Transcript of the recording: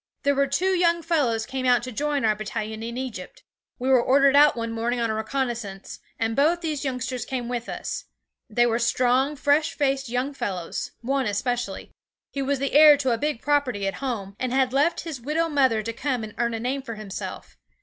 There were two young fellows came out to join our battalion in Egypt. We were ordered out one morning on a reconnaissance, and both these youngsters came with us. They were strong, fresh faced young fellows, one especially; he was the heir to a big property at home, and had left his widow mother to come and earn a name for himself.